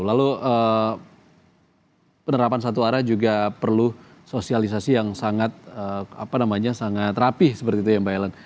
lalu penerapan satu arah juga perlu sosialisasi yang sangat rapih seperti itu ya mbak ellen